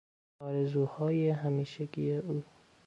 آرزوهای همیشگی او